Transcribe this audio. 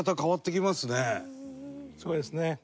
そうですね。